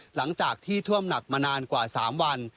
หลังจากที่ท่วมหนักมานานกว่า๓วัน